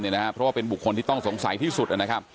เพราะว่าเป็นบุคคลที่ต้องสงสัยที่สุดนะครับ